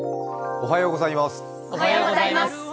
おはようございます。